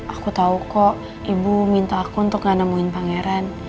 aku tahu kok ibu minta aku untuk gak nemuin pangeran